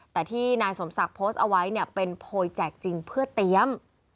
แต่ที่นายสมศักดิ์โพสต์เอาไว้เนี่ยเป็นโพยแจกจริงเพื่อเตรียม